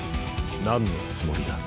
なんのつもりだ？